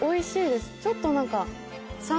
ちょっと何か。